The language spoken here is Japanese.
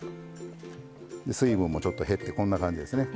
で水分もちょっと減ってこんな感じですね。